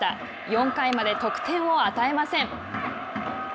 ４回まで得点を与えません。